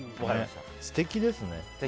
素敵ですね。